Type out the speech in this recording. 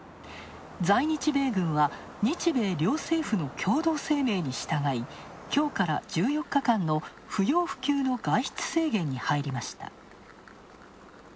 在日米軍は日米両政府の共同声明に従い、きょうから１４日間の不要不急の外出制限に入りました。